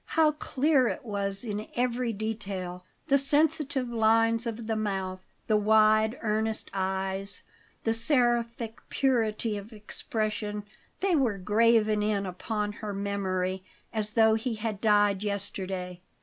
How clear it was in every detail! The sensitive lines of the mouth, the wide, earnest eyes, the seraphic purity of expression they were graven in upon her memory, as though he had died yesterday.